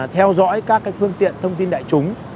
theo dõi các phương tiện thông tin đại chúng